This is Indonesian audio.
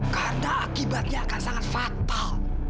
karena akibatnya akan sangat fatal